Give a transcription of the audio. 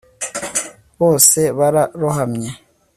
bose bararohamye